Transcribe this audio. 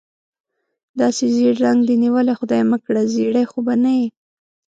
داسې ژېړ رنګ دې نیولی، خدای مکړه زېړی خو به نه یې؟